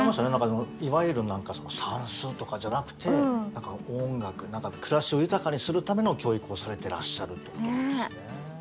いわゆる算数とかじゃなくて何か音楽暮らしを豊かにするための教育をされてらっしゃるということですね。